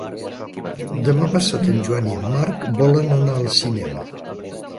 Demà passat en Joan i en Marc volen anar al cinema.